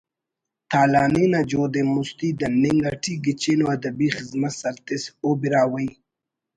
تالانی نا جہد ءِ مستی دننگ اٹی گچین ءُ ادبی خذمت سر تس او براہوئی